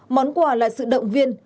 món quà là sự động viên